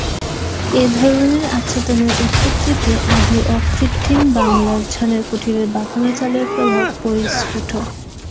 এ ধরনের আচ্ছাদনের উৎপত্তিতে আদি অকৃত্রিম বাংলার ছনের কুটিরের বাঁকানো চালের প্রভাব পরিস্ফুট।